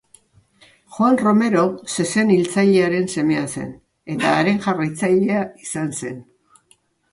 Juan Romero zezen-hiltzailearen semea zen, eta haren jarraitzaile izan zen.